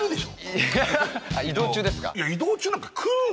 移動中ですか？